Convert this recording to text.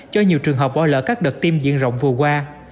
cho nhiều trường hợp bỏ lỡ các đợt tiêm diện rộng vừa qua